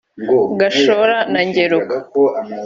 Gashora na Ngeruka